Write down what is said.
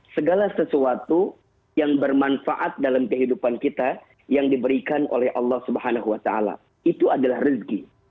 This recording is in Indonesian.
segala sesuatu yang bermanfaat dalam kehidupan kita yang diberikan oleh allah swt itu adalah rezeki